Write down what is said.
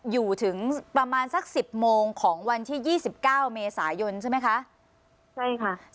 อยู่ถึงประมาณสักสิบโมงของวันที่ยี่สิบเก้าเมษายนใช่ไหมคะใช่ค่ะ